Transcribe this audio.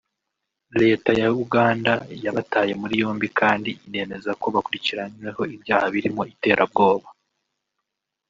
Leta ya Uganda yabataye muri yombi kandi inemeza ko bakurikiranyweho ibyaha birimo iterabwoba